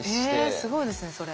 えっすごいですねそれ。